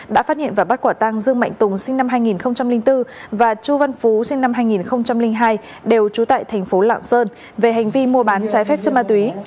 đã phát hiện và bắt quả tăng dương mạnh tùng sinh năm hai nghìn bốn và chu văn phú sinh năm hai nghìn hai đều trú tại thành phố lạng sơn về hành vi mua bán trái phép chất ma túy